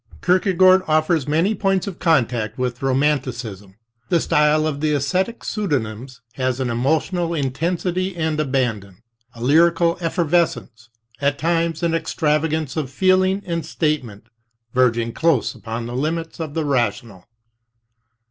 Kierkegaard offers many points of contact with romanti cism. The style of the esthetic pseudonyms has an emotional intensity and abandon, a lyrical effervescence, at times an extravagance of feeling and statement verging close upon the limits of the rational.